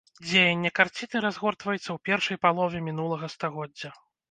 Дзеянне карціны разгортваецца ў першай палове мінулага стагоддзя.